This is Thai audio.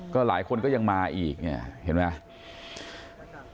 ก็หลายคนก็ยังมาอีกเนี่ยเห็นไหม